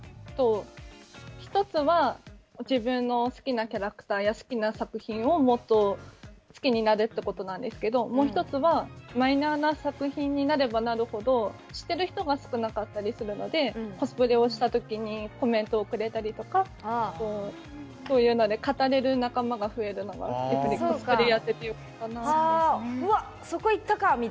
１つは自分の好きなキャラクターや作品をもっと、好きになるってことなんですけどもう１つはマイナーな作品になればなるほど知ってる人が少なかったりするのでコスプレをした時にコメントをくれたりとか語れる仲間が増えるのがコスプレやっててよかったなって。